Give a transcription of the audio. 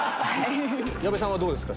矢部さんはどうですか？